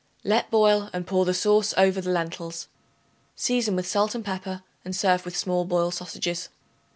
Let boil and pour the sauce over the lentils. Season with salt and pepper, and serve with small boiled sausages.